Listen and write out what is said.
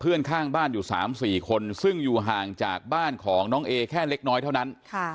ข้างบ้านอยู่๓๔คนซึ่งอยู่ห่างจากบ้านของน้องเอแค่เล็กน้อยเท่านั้น